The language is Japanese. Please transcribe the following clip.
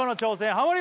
ハモリ